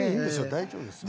大丈夫ですよ。